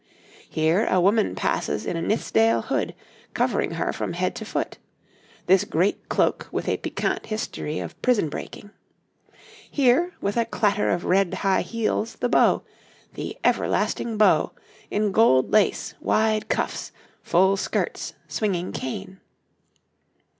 Here a woman passes in a Nithsdale hood, covering her from head to foot this great cloak with a piquant history of prison breaking; here, with a clatter of high red heels, the beau, the everlasting beau, in gold lace, wide cuffs, full skirts, swinging cane.